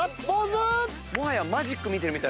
マジック見てるみたい。